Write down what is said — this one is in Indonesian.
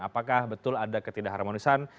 apakah betul ada ketidakharmonisan